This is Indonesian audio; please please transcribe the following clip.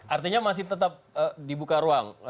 artinya masih tetap dibuka ruang